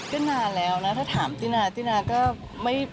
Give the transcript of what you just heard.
ก็นานแล้วนะถ้าถามตินาตินาก็ไม่